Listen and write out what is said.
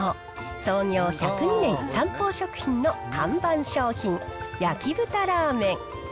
創業１０２年、サンポー食品の看板商品、焼豚ラーメン。